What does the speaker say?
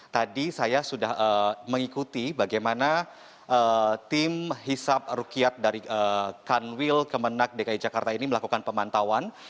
jadi saya sudah mengikuti bagaimana tim hisap rukiat dari kanwil kemenak dki jakarta ini melakukan pemantauan